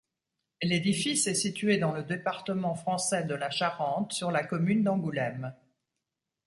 L'édifice est situé dans le département français de la Charente, sur la commune d'Angoulême.